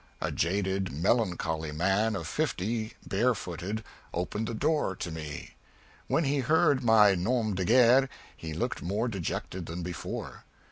A jaded, melancholy man of fifty, barefooted, opened the door to me. When he heard my nom de guerre he looked more dejected than before.